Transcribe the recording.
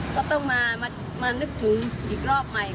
ก็ต้องมานึกถึงอีกรอบใหม่